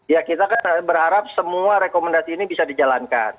ya kita kan berharap semua rekomendasi ini bisa dijalankan